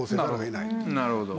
なるほど。